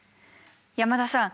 山田さん